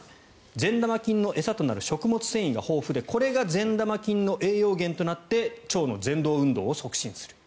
善玉菌の餌となる食物繊維が豊富でこれが善玉菌の栄養源となって腸のぜん動運動を促進する。